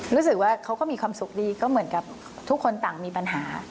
รู้สึกว่าเขาก็มีความสุขดีก็เหมือนกับทุกคนต่างมีปัญหา